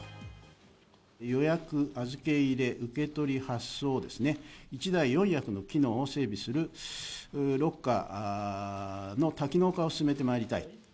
予約、預け入れ、受け取り、発送をですね、１台４役の機能を整備するロッカーの多機能化を進めてまいりたい。